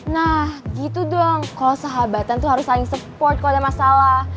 nah gitu dong kalau sahabatan tuh harus saling support kalau ada masalah